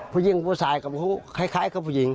ผู้หญิงผู้สายกับผู้คล้ายกับผู้หญิง